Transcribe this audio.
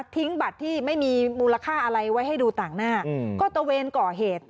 บัตรที่ไม่มีมูลค่าอะไรไว้ให้ดูต่างหน้าก็ตะเวนก่อเหตุ